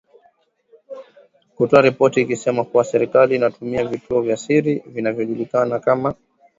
kutoa ripoti ikisema kuwa serikali inatumia vituo vya siri vinavyojulikana kama